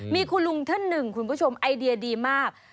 มีคุณลุงแท่๑คุณผู้ชมไอเดียดีมาก